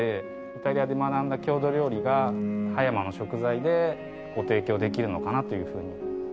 イタリアで学んだ郷土料理が葉山の食材でご提供できるのかなというふうに思いました。